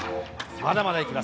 まだまだいきます。